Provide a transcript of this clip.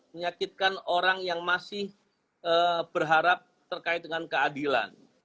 menyakitkan orang yang masih berharap terkait dengan keadilan